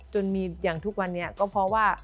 จนมีอย่างทุกวันนี้ก็เพราะว่า